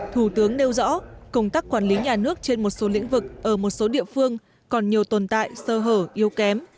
thủ tướng nêu rõ công tác quản lý nhà nước trên một số lĩnh vực ở một số địa phương còn nhiều tồn tại sơ hở yêu kém